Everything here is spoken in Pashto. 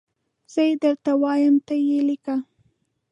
زه یي درته وایم ته یي لیکه